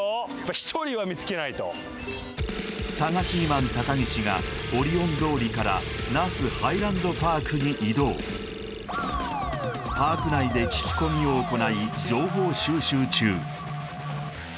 サガシマン高岸がオリオン通りから那須ハイランドパークに移動パーク内で聞き込みを行い情報収集中